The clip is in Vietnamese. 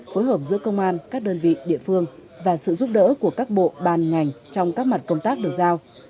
phối hợp giữa công an các đơn vị địa phương và sự giúp đỡ của các bộ ban ngành trong các mặt công tác được giao